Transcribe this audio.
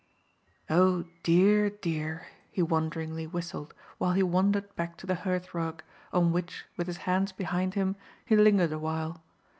"Oh dear, dear!" he wonderingly whistled while he wandered back to the hearth rug, on which, with his hands behind him, he lingered a while.